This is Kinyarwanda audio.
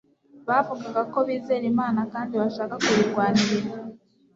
Bavugaga ko bizera Imana kandi bashaka kuyirwanirira